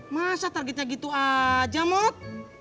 masa targetnya gitu aja mot